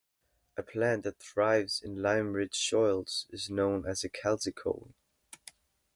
A plant that thrives in lime-rich soils is known as a calcicole.